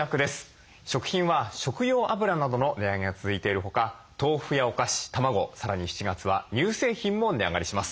食品は食用油などの値上げが続いているほか豆腐やお菓子卵さらに７月は乳製品も値上がりします。